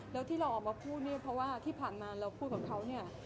แล้วที่เราออกมาพูดเนี่ยเพราะว่าที่ผ่านมาเราพูดกับเขาเนี่ย